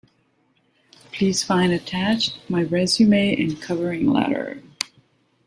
Please find attached my resume and covering letter.